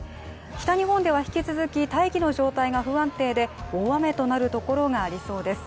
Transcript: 北日本では引き続き大気の状態が不安定で大雨となる所がありそうです。